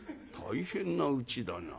「大変なうちだな。